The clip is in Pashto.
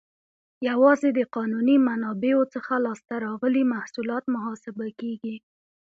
یوازې د قانوني منابعو څخه لاس ته راغلي محصولات محاسبه کیږي.